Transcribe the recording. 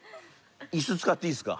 椅子使っていいっすか？